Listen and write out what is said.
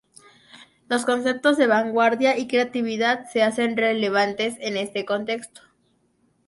Los conceptos de vanguardia y creatividad se hacen relevantes en este contexto.